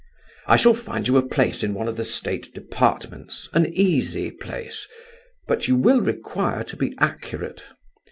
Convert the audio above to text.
I shall find you a place in one of the State departments, an easy place—but you will require to be accurate.